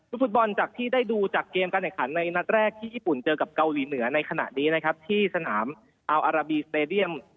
ฟุตบอลจากที่ได้ดูจากเกมการแข่งขันในนัดแรกที่ญี่ปุ่นเจอกับเกาหลีเหนือในขณะนี้นะครับที่สนามอัลอาราบีสเตดียม